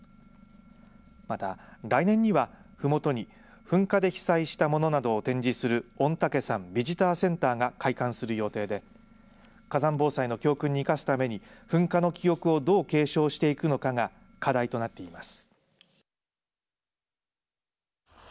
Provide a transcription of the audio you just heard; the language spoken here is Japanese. また、来年には、ふもとに噴火で被災した物などを展示する御嶽山ビジターセンターが開館する予定で火山防災の教訓に生かすために噴火の記憶をどう継承していくのかが課題となっています。